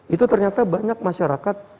itu ternyata banyak masyarakat